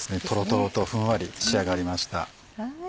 とろとろとふんわり仕上がりました。